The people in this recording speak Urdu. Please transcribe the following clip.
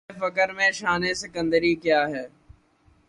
نگاہ فقر میں شان سکندری کیا ہے